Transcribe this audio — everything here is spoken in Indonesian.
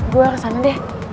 gue kesana deh